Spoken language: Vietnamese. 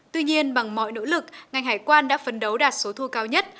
tuy nhiên bằng mọi nỗ lực ngành hải quan đã phấn đấu đạt số thu cao nhất